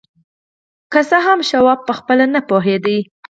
که څه هم شواب پخپله نه پوهېده.